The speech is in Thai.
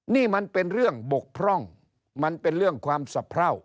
นี่มันเป็นเรื่องบกพร่องมันเป็นเรื่องความสะเพรา